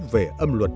về âm luật